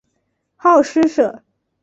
好施舍。